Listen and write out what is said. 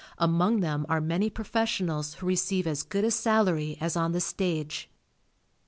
Among them are many professionals who receive as good a salary as on the stage.